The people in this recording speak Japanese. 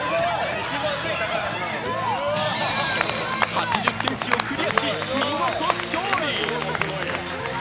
８０ｃｍをクリアし、見事勝利！